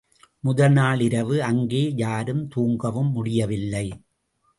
முதல்நாள் இரவு, அங்கே யாரும் தூங்கவும் முடியவில்லை.